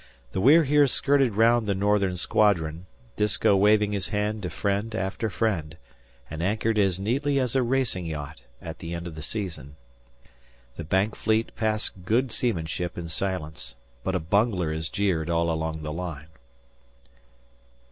The We're Here skirted round the northern squadron, Disko waving his hand to friend after friend, and anchored as nearly as a racing yacht at the end of the season. The Bank fleet pass good seamanship in silence; but a bungler is jeered all along the line.